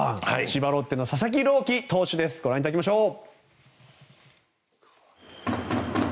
千葉ロッテの佐々木朗希投手ですご覧いただきましょう。